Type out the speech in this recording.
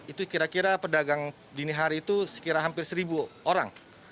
itu kira kira pedagang dini hari itu sekira hampir seribu orang